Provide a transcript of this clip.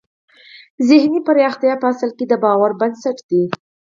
ذهني پراختیا په اصل کې د باور بنسټ دی